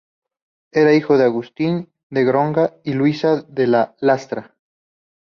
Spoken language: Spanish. Era hijo de Agustín de Gondra y Luisa de la Lastra.